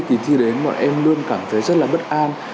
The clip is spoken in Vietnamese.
kỳ thi đến bọn em luôn cảm thấy rất là bất an